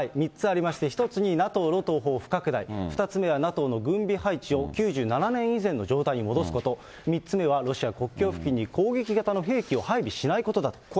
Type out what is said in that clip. ３つありまして、１つにＮＡＴＯの東方不拡大、２つ目はＮＡＴＯの軍備配置を９７年以前の状態に戻すこと、３つ目はロシア国境付近に攻撃型の兵器を配備しないことだと。